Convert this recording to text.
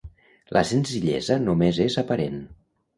La senzillesa només és aparent.